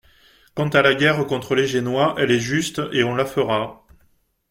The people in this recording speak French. Quant à la guerre contre les Génois, elle est juste et on la fera.